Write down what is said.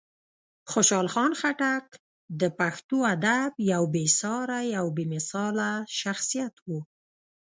خوشحال خان خټک د پښتو ادب یو بېساری او بېمثاله شخصیت و.